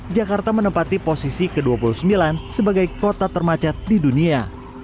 jakarta menempati posisi ke dua puluh sembilan sebagai kota termacet di dunia